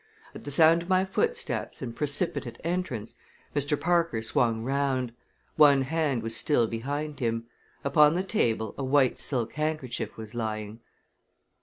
At the sound of my footsteps and precipitate entrance Mr. Parker swung round. One hand was still behind him. Upon the table a white silk handkerchief was lying.